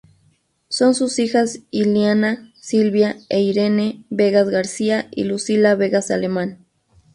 Son sus hijas Ileana, Silvia e Irene Vegas García y Lucila Vegas Alemán.